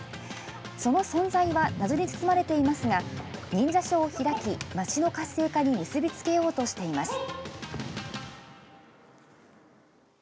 その存在は謎に包まれていますが忍者ショーを開き街の活性化に結び付けようとしています。